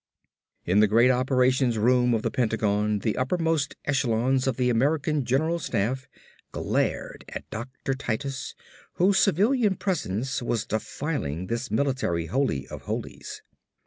In the great Operations Room of the Pentagon, the uppermost echelons of the American General Staff glared at Dr. Titus whose civilian presence was defiling this military "holy of holies."